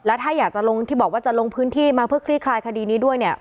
ถ้าอยากจะลงที่บอกว่าจะลงพื้นที่มาเพื่อคลี่คลายคดีนี้ด้วยเนี่ย